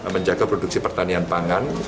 menjaga produksi pertanian